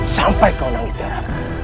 sampai kau nangis dara